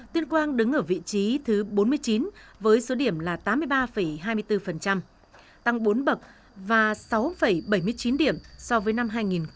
tuyên quang đứng ở vị trí thứ bốn mươi chín với số điểm là tám mươi ba hai mươi bốn tăng bốn bậc và sáu bảy mươi chín điểm so với năm hai nghìn một mươi tám